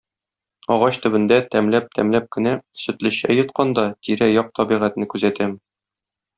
Агач төбендә, тәмләп-тәмләп кенә, сөтле чәй йотканда, тирә-як табигатьне күзәтәм.